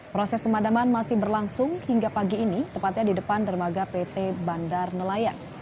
proses pemadaman masih berlangsung hingga pagi ini tepatnya di depan dermaga pt bandar nelayan